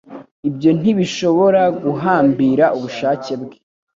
Ibyo ntibishobora guhambira ubushake bwe